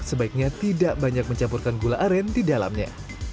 sebaiknya tidak banyak mencampurkan gula aren di dalamnya